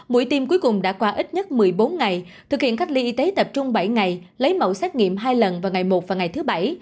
mũi tiêm cuối cùng đã qua ít nhất một mươi bốn ngày thực hiện cách ly y tế tập trung bảy ngày lấy mẫu xét nghiệm hai lần vào ngày một và ngày thứ bảy